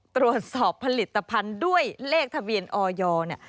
ตรวจสอบผลิตภัณฑ์ด้วยเลขทะเบียนออยเนี่ย